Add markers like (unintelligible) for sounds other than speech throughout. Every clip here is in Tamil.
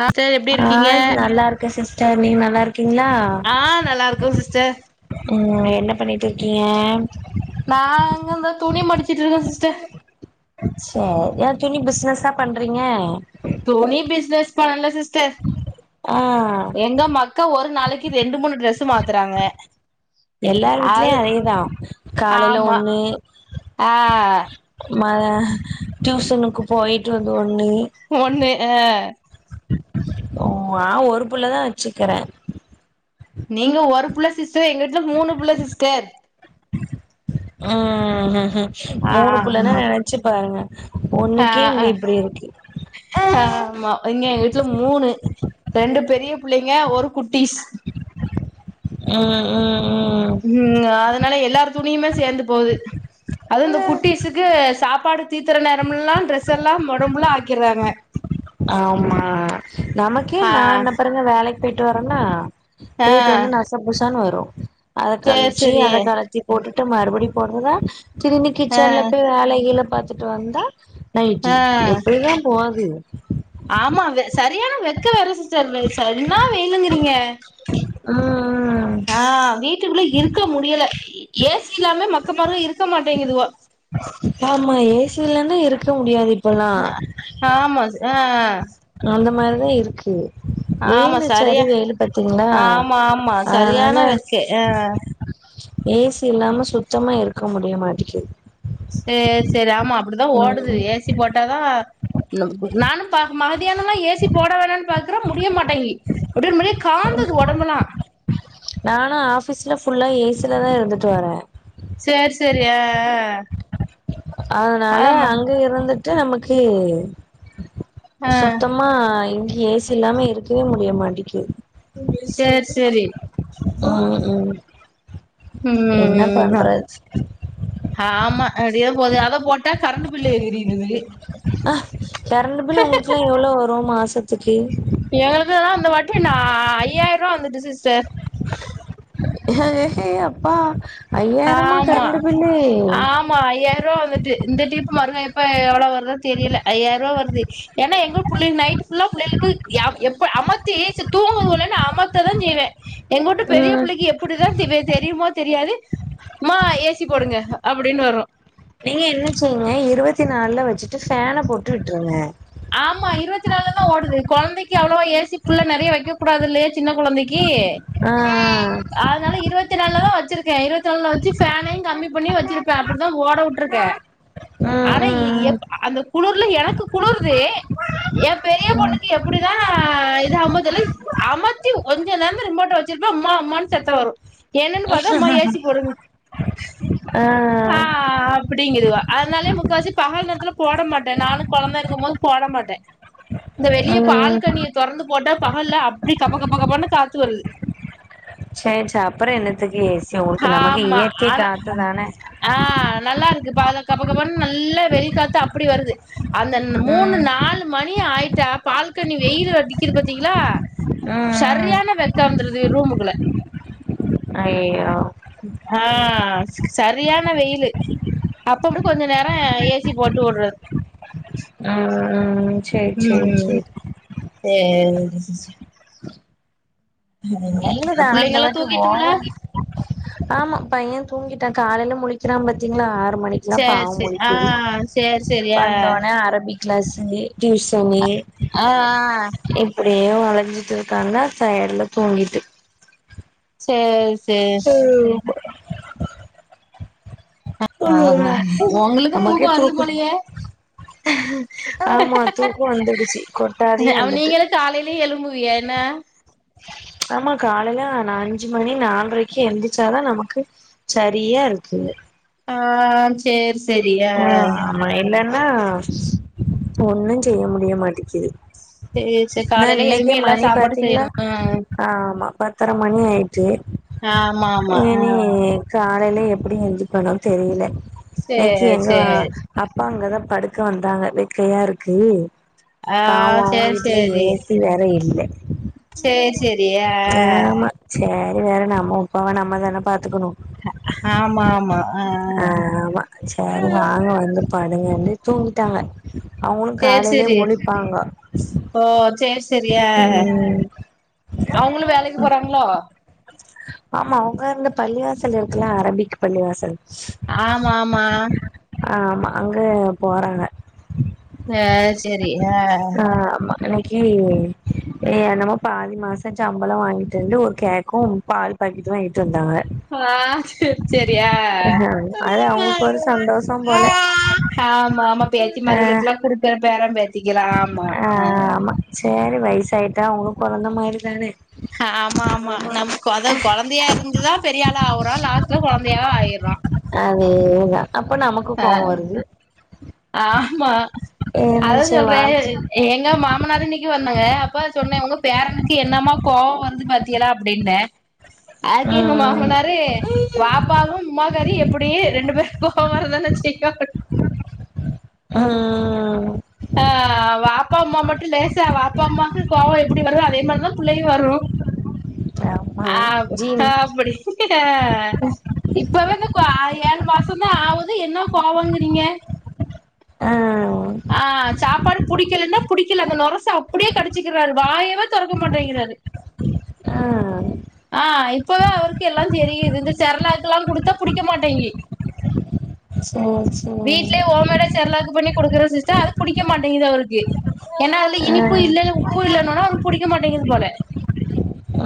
ஆ சிஸ்டர் எப்டி ஆ இருக்கீங்க நல்லா இருக்கே சிஸ்டர் நீங்க நல்லா இருக்கீங்ளா ஆ நல்லா இருக்கோ சிஸ்டர் ம் என்ன பண்ணி நா இங்க அந்த துணி மடிச்சிட் இருக்க சிஸ்டர் இச் சேர் ஏ துணி பிஸ்னஸ்ஸா பண்றீங்க துணி பிஸ்னஸ் பண்ல சிஸ்டர் ஆ எங்க மக்க ஒரு நாளைக்கி ரெண்டு மூணு ட்ரஸ் மாத்துறாங்க எல்லார் வீட்லயு அது அதேதா காலேல ஆமா ஒண்ணு ஆ மதயன டியூசனுக்கு போயிட்டு வந்த ஒன்னு ஒண்ணு அ ஓ ஆ ஒரு புள்ளதா வச்சுக்குறே நீங்க ஒரு புள்ள சிஸ்டர் எங்க வீட்ல மூணு புள்ள சிஸ்டர் ம் ம் ஹும் ம் ஆ மூணு புள்ளன்னா ஆமா நெனச்சு பாருங்க ஆ ஒண்ணுக்கே இங்க அ இப்டி இருக்கு ஆ ஆமா இங்க எங்க வீட்ல மூணு ரெண்டு பெரிய புள்ளைங்க ஒரு குட்டிஸ் ம் ம் ம் அதனால எல்லாரு துணியுமே சேந்து போகுது அது இந்த குட்டீஸுக்கு சாப்பாடு தீத்திர நேரமெல்லா ட்ரெஸெல்லா ஒடம்ஃபுல்லா ஆக்கிர்றாங்க ஆமா நமக்கே ஆ நான்னபரந்தா வேலைக் போயிட்டு வர்ன்னா ஆ போயிட்டு வந்து நச புசானு வரு அத சேர் கழிச்சு செரி அத கலட்டி போட்டுட்டு மறுபடி போட்றதா திரும்பி ஆ கிச்சன்ல போய் வேலகீல பாத்துட்டு வந்தா ஆ நைட்டி எப்டிதா போது ஆமா வெ சரியானா வெக்க வேற சிஸ் டர் வே என்னா வெயிலுங்குறீங்க ம் ஆ வீட் வீட்டுக்குள்ள இருக்க முடியல ஏ சி இல்லாமே மக்க மாருக இருக்க மாட்டேங்குதுவோ ஆமா ஏ சியில்லனா இருக்க முடியாது இப்பல்லா ஆ ஆமா ஆ அந்த மாரிதா இருக்கு ஆமா வெயிலு செரி சரியா வெயிலு பாத்தீங்கன்னா ஆமா ஆமா அதனால சரியான வெக்கு ஆ ஏ சி இல்லாம சுத்தமா இருக்க முடிய மாட்டேக்கிது ஏ செரி ஆமா அப்டிதா ஓடுது ம் ஏ சி போட்டாதா நானு பாக்கே மகதியானோனா ஏ சி போட வேணான் பாக்குறே முடிய மாட்டேங்கி அப்டியே மின்ட் காந்துது ஒடம்பெல்லா நானு ஆஃபீஸ்ல ஃபுல்லா ஏ சிலதா இருந்துட்டு வரே சேர் செரி அ அ அதனால அங்க இருந்துட்டு நமக்கு ஆ சுத்தமா இங்க ஏ சி இல்லாம இருக்கவே முடிய மாட்டேக்கிது சேர் சேரி ம் என்ன ம் அப் பண்றது ஆமா அப்டியே போது அத போட்டா கரண்ட் பில்லு எகுறீருது அ கெரண்ட் பில் ஒங்களுக்குலா எவ்ளோ வரு மாசத்துக்கு எனக்குலா இந்த வாட்டி ஆ ஐயாயிர ரூவா வந்துட்டு சிஸ்டர் எ கே அப்பா ஐயாயிரமா ஆமா கரண்டு பில்லு ஆமா ஐயாயிர ரூவா வந்துட்டு இந்த டீப்பு மருகா எப்ப எவ்ளோ வருதோ தெரியல ஐய்யார ரூபா வருது ஏனா எங்க புள்ளை நைட் ஃபுல்லா புள்ளேளுக்கு எப்ப அமத்தி சேர் தூங்குங்களேனு அமத்த தா செய்வே எங்கூட்டு பெரிய ம் புள்ளைக்கி எப்டிதா திபே தெரியுமோ தெரியாது ம்மா ஏ சி போடுங்க அப்டின்னு வரு நீங்க என்ன செய்ங்க இருவத்தி நால்ல வச்சுட்டு ஃபேன போட்டு விட்ருங்க ஆமா இருவத்தி நால்ல தா ஓடுது கொழந்தைக்கு அவ்ளவா ஏ சி ஃபுல்ல நெறையா வைக்க கூடாதுல்லயா சின்ன கொழந்தைக் கி ஆ அதனால இருவத்தி நால்ல தா வச்சிருக் கே இருவத்தி நால்ல வச்சு ஃபேனயு கம்மி பண்ணி வச்சிருப்பே அப்டிதா ஓட வுட்ருக்கே ஆ ம் ஆனா எ ம் எப் அந்த குளிர்ல எனக்கு குளுருது ஏ பெரிய பொண்ணுக்கு எப்டிதா இதாகுமோ தெர்ல அமத்தி கொஞ்ச நேரோந்தா ரிமோட்ட வச் சிருப்பே அம்மா அம்மானு சத்தோ வரு என்னனு பாத்தா அம்மா ஏ சி போடுங்க ஆ ம் ஆ அப் புடிங்குதுவோ அதனாலயே முக்காசி பகல் நேர்த்துல போட மாட்டே நானு கொழந்த இருக்குபோது போட மாட்டே இந்த ஆ வெளிய பால் ம் கனிய தொறந்து போட்டா பகல்ல அப்டி கப கப கபனு காத்து வருது சேர்சா அப்றோ என்னத்துக்கு ஏ சி உங்களுக்கு நமக்கு ஆமா இயற்கை ஆனா காத்துதான ஆ நல்லா இருக்கு ப்ப கப கபனு நல்லா வெளிக்காத்து அப்டி வருது அந்த ந்த மூணு ம் நாலு மணி ஆயிட்டா பால்கனி வெய்யிலு அடிக்குது பாத்தீங்களா ம் ம் சரியான வெக்க வந்துருது ரூமுக்குல்ல அய்யய்யோ ஆ சரியான வெய்யிலு அப்ப மட் கொஞ்ச நேரோ ஏ சி போட்டு உட்றது ம் ம் ம் ம் ம் சேரி (unintelligible) வெய்யிலுதா இந்த புள்ளைங்கல்லா வாட்டி தூங்கிட்டுங்களா ஓவரு ஆமா பைய தூங்கிட்டா காலையில முழிக்கிறா பாத்தீங்களா ஆறு மணிக் குல்லா சேரி பாவு சேரி ஆ முழிக்குது சேரி சேரி ஆ வந்தோனே அரபி க்ளாஸ்ங்கே டியூசன்னே ஆ இப்டியே வளஞ்சிட்டு இருக்கான்னா டயடுல தூங்கிட்டு சேர் சேர் (inaudible) ஆ (inaudible) உங்களுக்கு நமக்கே வருது தூக்கோ போலயே ஆமா தூக்கோ வந்துடுச்சு கொட்டாவியா அப்ப நீங்களு காலையிலயே எழும்புவியே என்ன ஆமா காலையில நா அஞ்சு மணி நால்ரைக்கு எந்திரிச்சாதா நமக்கு சரியா இருக்குது ஆ சேர் செரி ஆ ஆ ஆமா நா இல்லன்னா ஒண்ணு செய்ய முடிய மாட்டிக்குது சேரி சேரி ஆனா காலையில இன்னைக்கே எழும்பி எல்லா மணி சாப்பாடு பாத்தீங்னா செய்யணு ஆமா பத்தர மணி ஆயிட்டு ஆமா ஆமா ஆ இனி காலையில எப்டி எந்ரிப்பனோ தெரியில இன்னைக்கி சேரி எங்க சேரி அப்பா அங்கதா படுக்க வந்தாங்க வெக்கையா இருக்கு ஆ பாவு அவுங்க சேரி வீட்ல ஏ சி வேற இல்ல சேர் செரி ஆ அ சேரி வேற நம்ம உப்பாவ நம்ம தான பாத்துக்குணு ஆமா ஆமா ஆ சரி வாங்க வந்து படுங்கன்னு தூங்கிட்டாங்க அவுங்களு சேரி காலைலயே சேரி முழிப்பாங்க ஓ சேர் செரியா ம் அவுங்களு வேலைக்கு போறாங்களோ ஆமா அவங்க இந்த பள்ளிவாசல் இருக்குல அரபிக் பள்ளிவாசல் ஆமா ஆமா ஆமா அங்க போறாங்க செ செரி ஆ ஆ ஆமா இன்னக்கி ஏ என்னமோ பாதி மாசொ சம்பளொ வாங்கிட்டு வந்து ஒரு கேக்கும் பால் பாக்கெட் வாங்கிட்டு வந்தாங்க ஆ சர் செரி ஆ அது அவங்களுக்கு ஒரு சந்தோஷ போல ஆமா ஆமா ஆ பேத்திமாருகளுக்குலா குடுக் க்க பேர பேத்திக்கலா ஆமா அ சேரி வயசாயிட்டா அவங்களு கொழந்த மாரிதான ஹாமா ஆமா நம் கொதா கொழந்தையா இருந்துதா பெரியாளா ஆவுறோ லாஸ்ட்ல கொழந்தையாவ ஆயிறோ அதேதா அப்போ நமக்கு ஆ கோவம் வருது ஆமா அதா இருந்துச்சு சொல்றே வாழ்க்க எங்க மாமனார் இன்னைக்கு வந்தாங்க அப்ப சொன்னே உங்க பேரனுக்கு என்னமா கோவம் வருது பாத்தீயலா அப்படின்னு அதுக் எங்க ம் மாமனாரு பாப்பாவு உம்மாக்காரியு எப்டி ரெண்டு பேர் கோவொ வரதான செய்யு உம் ஆ வாப்பா அம்மா மட்டும் லேசா வாப்பா அம்மாவுக்கு கோவம் எப்படி வரு அதே மாரிதா புள்ளயு வரு ஆமா ஆ ஜிம் கப்புடி ஆ இப்பவே இந்த கோ ஏழு மாசம்தா ஆவுது என்ன கோவோ இங்குறீங்க அ ஆ சாப்பாடு புடிக்கலன்னா புடிக்கல அந்த நொரச அப்படியே கடிச்சிக்கிறாரு வாயவே தொறக்க மாட்டேங்கிறாரு ஆ ஆ இப்பவே அவருக்கு எல்லா தெரியுது இந்த செர்ளக்கலா குடுத்தா குடிக்க மாட்டேங்கி செரி செரி கொடுக்குற சிஸ்டர் அது குடிக்க மாட்டிங்குது அவருக்கு ஏனா அதுல இனிப்பும் இல்ல ஸ்கூல்ல இன்னொனொ குடிக்க மாட்டேங்குது போல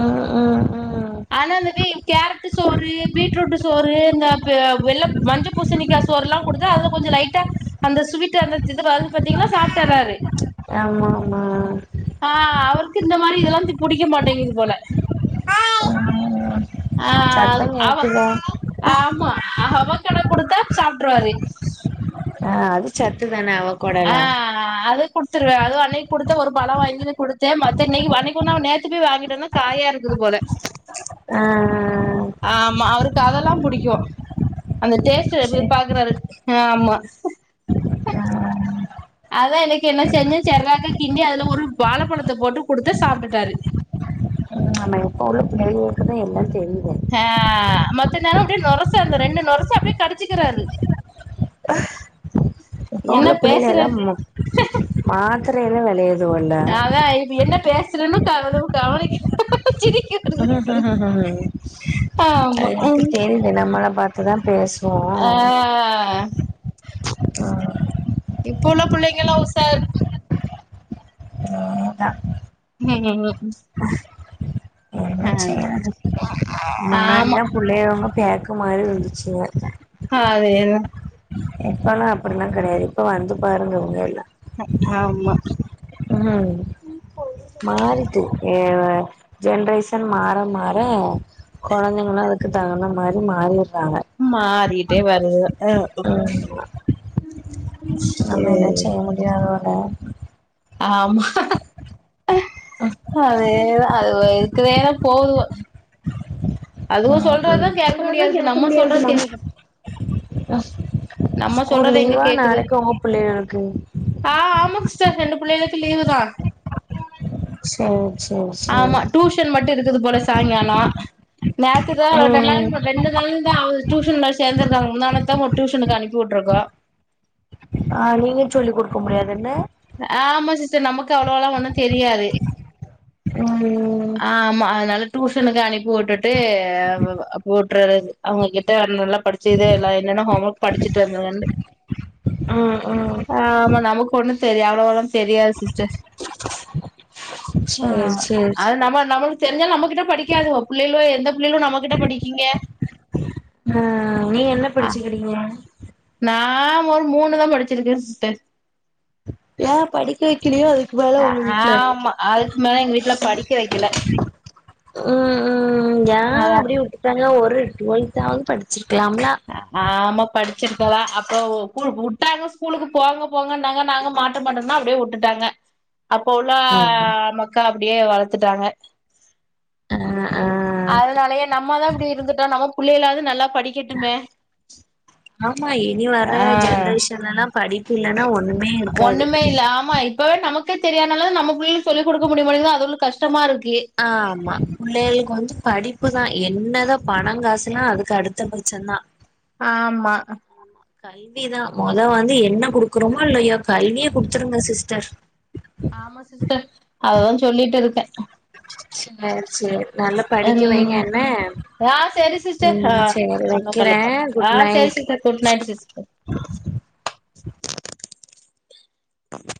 உம் உம் ம் ஆனா அந்தது கேரட் சோறு பீட்ரூட் சோறு இந்த பே வெள்ள மஞ்சப் பூசணிக்கா சோறு எல்லா கொடுத்து அதல கொஞ்சொ லைட்டா அந்த சுவீட் அந்தந்து வர்து பாத்தீங்கன்னா சாப்ட்றாரு ஆமா ஆமா ஆ அவருக்கு இந்த மாதிரி இதெல்லா புடிக்க மாட்டிங்குது போல ம் ஆ சத்தோ அவ கேக்குதே ஆமா அவகெடா கொடுத்தா சாப்ட்ருவாரு ஆ அது சத்து தான அவகொடல்லா ஆ அது குத்துருவே அதுவோ அன்னைக்கி குடுத்த ஒரு பழோ வாங்கினு குடுத்தே மத்தன்னைக் அன்னைக்கு போனா நேத்து போய் வாங்கிட்டு வர்னோ காயா இருக்குது போல அ ஆமா அவருக்கு அதெல்லா புடிக்கோ அந்த டேஸ்ட் எப்டி சேரி பாக்குறாரு ஆமா ஆ அதா எனக்கு என்ன செஞ்ச செர்லாக்க கிண்டி அதுல ஒரு வாழப்பழத்த போட்டு குடுத்த சாப்டுட்டாரு நம்ம எப்போ உள்ள (inaudible) எல்லா தெரியுது ஆ மத்த நேரொ அப்டியே நொரசா இருந்த ரெண்டு நொரசா அப்டியே கடிச்சிக்கிறாரு இப்போ என்ன உள்ள புள்ளைகள் பேசுற எல்லா மா மாத்திரையல்லா வெளியேதுல்ல அதா இப்ப என்ன பேசுணுன்னு காது கவனிக்கு ம்ம் ம் ம் ம் ஆமா எனக்கு ம் தெரியல நம்மள பாத்துதா பேசுவோ ஆ ஆ இப்போ உள்ள புள்ளைங்கல்லா உசார் தா ம் ம் ம் என்ன செய்றது ஆமா முன்னாடிதா புள்ளைக வந்து பேக்கு மாரி இருந்துச்சுக்க ஆ அது ஏதோ இப்பல்லா அப்படிலா கெடையாது இப்ப வந்து பாருங்க ஒன்னோ இல்ல ஆமா ம் மாறுது நீ வேற ஜென்ரேஷன் மாற மாற கொழந்தைங்களா இதுக்கு தகுந்த மாதிரி மாறிறாங்க மாறிட்டே வருது ஆமா செரி யாரோட ஆமா அதேதா அது இருக்கிறதே போதும் கேட்க இதெல்லா முடியாதுக்கு நம்ம கேட்கமுடியாது சொல்றது கேட்க மாட் நம்ம நம்ம ஸ்கூல் சொல்றது எங்க லீவா நாளைக்கு உன் பிள்ளைகளுக்கு ஆஹ ஆமா சிஸ்டர் ரெண்டு பிள்ளைகளுக்கும் லீவுதான் சோ. சோ ஆமா டியூஷன் மட்டும் இருக்குது போல சாயங்கால நேத்துதா ரெண்டு ம் நாள் ரெண்டு நாளுதா டியூஷன்ல சேந்துறாகங்க முந்தாநேத்து டியூஷனுக்கு அனுப்பி விட்டுருக்கோம் ஆ நீங்க சொல்லி் குடுக்க முடியாது என்ன ஆ ஆமா சிஸ்டர் நமக்கு அவ்வளோல்லா ஒன்னும் தெரியாது ம் ஆமா அதுனாலே டியூஷனுக்கு அனுப்பி விட்டுட்டு போட்ரது அவங்ககிட்ட நல்லா படிச்ச செய்ததல அனன்ன கோம்வர்க் படிச்சிட்டு வந்ததுண்டு ம் ம் ஆமா நமக்கு ஒன்னும் தெரியாம தெரியாது சிஸ்டர் ஆ சேரி சேரி அது நம்ம நம தெரிஞ்சாலும் நம்ம கிட்ட படிக்காததுவ பிள்ளைகள எந்த பிள்ளைகளும் நம்மிட்ட படிக்கீங்க ம் நீ என்ன படிச்சுக்கிறீங்க நான் ஒரு மூணுதான் படிச்சிருக்கேன் சிஸ்டர் இல்ல படிக்க வைக்கலையோ அது வேலை உங்க வீட்டுல ஆமா அதுக்கு மேல எங்க வீட்ல படிக்க வைக்கல ம் ஏன் அதா அப்படி விட்டுட்டாங்க ஒரு டுவெல்தாவது படிச்சிருக்கலாம்லா ஆமா படிச்சுருக்கலா அப்போ விட்டாங்க ஸ்கூலுக்கு போங்க போங்கன்னாங்க நாங்க மா படிக்க மட்டனோ அப்டியே வுட்டுட்டாங்க அப்போ உள்ள ம் மக்கா அப்டியே வளத்துட்டாங்க ஆ ஆ அதனாலயே நம்ம தா இப்டி இருந்துட்டா நம்ம புள்ளைாவது நல்லா படிக்க ட்டுமே ஆ ஃபீயூச்சர் எல்லா படிப்பு இல்ன்னா ஒண்ணுமே இருக்காது ஒண்ணுமே இல்ல ஆமா இப்பவே நமக்கே தெரியானாலு நம்ம பிள்ளை சொல்லி கொடுக்க முடிய மாட்டேக்குது அதுகுளுக்கு கஷ்டமா இருக்கு ஆமா பிள்ளைகளுக்கு வந்து படிப்பு தா என்னதா பணோ காசுலா அதுக்கு அடுத்த பட்சோந்தா ஆ ஆமா கல்விதா மொத வந்து என்ன குடுக்குறோமோ இல்லையோ கல்விய குடுத்துருங்க சிஸ்டர் ஆம சிஸ்டர் அததா சொல்லிட்டு இருக்கே செரி செரி நல்லா படிக்க வைங்க ம் என்ன ஆ செரி சிஸ்டர் ஆ ம் சேரி இன்னொரு கால்ல வைக்கிறே பாத் ஆ செரி சிஸ்டர் குட் நைட் சிஸ்டர் ஹ ஆம்